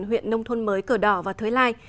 huyện nông thôn mới cờ đỏ và thới lai